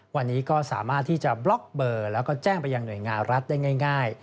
วันนี้ก็สามารถที่จะบล็อกเบอร์แล้วก็แจ้งไปยังหน่วยงานรัฐได้ง่าย